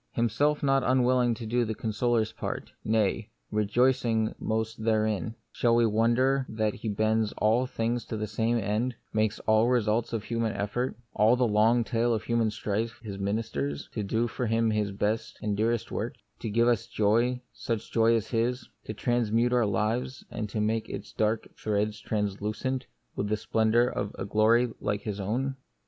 Himself not unwilling to do the consoler's part — nay, rejoicing most therein — shall we wonder that He bends all things to the same end, makes all results of human effort, all the long tale of human strife, His ministers, to do for Him His best and dearest work ; to give us joy, such joy as His ; to transmute our life, and make its dark threads translucent with the splendour of a glory like His own